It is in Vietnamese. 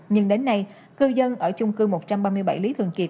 nhưng đến nay cư dân ở chung cư một trăm ba mươi bảy lý thường kiệt